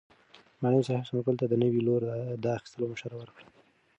معلم صاحب ثمر ګل ته د نوي لور د اخیستلو مشوره ورکړه.